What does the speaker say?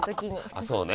あそうね。